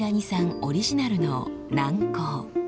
オリジナルの軟膏。